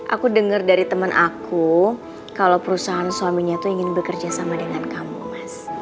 aku denger dari temen aku kalau perusahaan suaminya itu ingin bekerjasama dengan kamu mas